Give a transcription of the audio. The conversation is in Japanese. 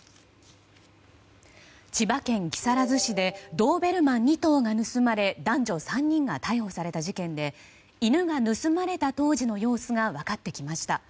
千葉県木更津市でドーベルマン２頭が盗まれ男女３人が逮捕された事件で犬が盗まれた当時の様子が分かってきました。